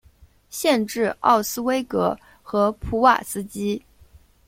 县治奥斯威戈和普瓦斯基。